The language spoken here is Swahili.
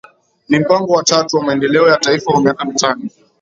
Ni mpango wa tatu wa maendeleo ya Taifa wa miaka mitano